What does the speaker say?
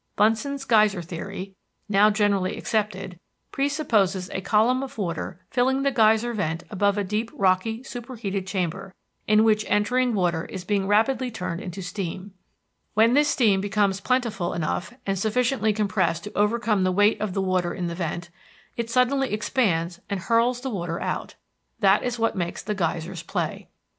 Bunsen's geyser theory, now generally accepted, presupposes a column of water filling the geyser vent above a deep rocky superheated chamber, in which entering water is being rapidly turned into steam. When this steam becomes plentiful enough and sufficiently compressed to overcome the weight of the water in the vent, it suddenly expands and hurls the water out. That is what makes the geyser play.